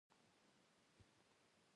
هغه به کله کله د خپلو عینکې د پاسه کتل